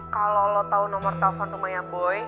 kalo lo tau nomor telepon rumahnya boy